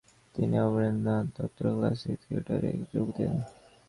তিনি অমরেন্দ্রনাথ দত্তর ক্ল্যাসিক থিয়েটারে যোগ দেন।